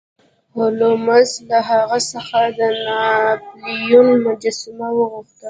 هولمز له هغه څخه د ناپلیون مجسمه وغوښته.